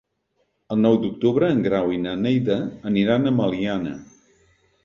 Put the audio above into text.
El nou d'octubre en Grau i na Neida aniran a Meliana.